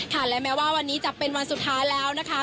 และแม้ว่าวันนี้จะเป็นวันสุดท้ายแล้วนะคะ